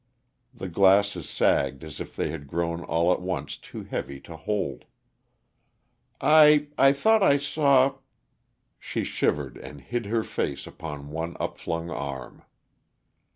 The glasses sagged as if they had grown all at once too heavy to hold. "I I thought I saw " She shivered and hid her face upon one upflung arm.